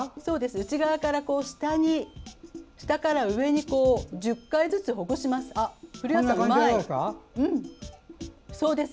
内側から、下から上に１０回ずつほぐします。